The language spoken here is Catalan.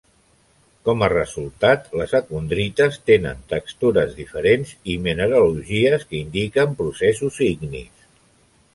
Com a resultat, les acondrites tenen textures diferents i mineralogies que indiquen processos ignis.